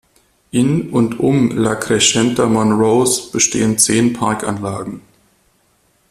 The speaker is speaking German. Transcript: In und um La Crescenta-Monrose bestehen zehn Parkanlagen.